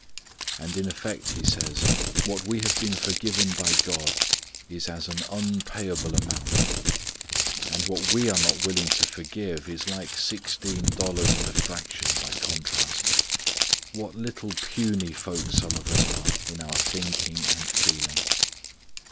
And in effect He says what we have been forgiven by God is as an unpayable amount. And what are not willing to forgive is like sixteen dollars and a fraction by contrast. What little puny folks some of us are in our thinking and feeling!